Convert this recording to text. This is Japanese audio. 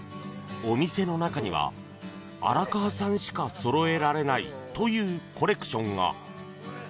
お店の中には荒川さんしかそろえられないというコレクションが！